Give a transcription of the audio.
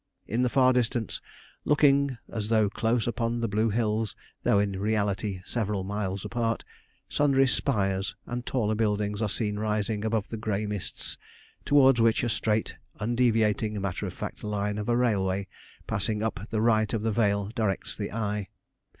In the far distance, looking as though close upon the blue hills, though in reality several miles apart, sundry spires and taller buildings are seen rising above the grey mists towards which a straight, undeviating, matter of fact line of railway passing up the right of the vale, directs the eye.